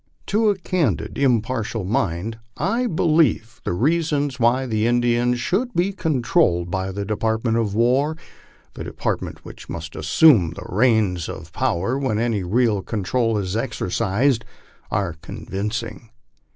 To a candid, impartial mind 1 believe the reasons why the Indians should be controlled by the Department of War, the department which must assume the reins of power when any real control is exercised, are convincing.